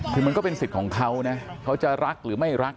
คือมันก็เป็นสิทธิ์ของเขานะเขาจะรักหรือไม่รัก